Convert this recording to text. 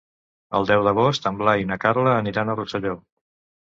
El deu d'agost en Blai i na Carla aniran a Rosselló.